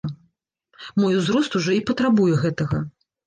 Мой узрост ужо і патрабуе гэтага.